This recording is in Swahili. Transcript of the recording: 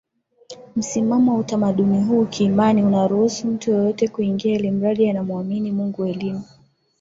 msimamo wa utamaduni huu kiimani unaruhusu mtu yeyote kuingia ilimradi anamuamini Mungu Elimu